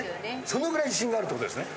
そのぐらい自信があるってことですね。